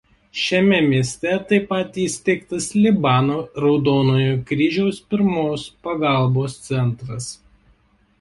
Šiame mieste taip pat įsteigtas Libano Raudonojo Kryžiaus pirmos pagalbos centras.